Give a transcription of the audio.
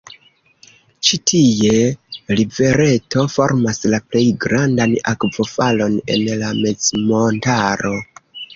Ĉi-tie la rivereto formas la plej grandan akvofalon en la mezmontaro.